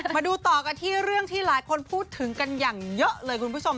มาดูต่อกันที่เรื่องที่หลายคนพูดถึงกันอย่างเยอะเลยคุณผู้ชม